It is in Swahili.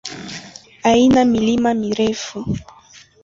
Haina milima mirefu.